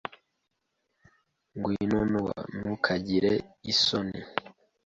Ngwino, Nowa. Ntukagire isoni.